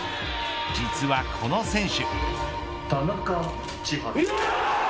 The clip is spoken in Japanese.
実はこの選手。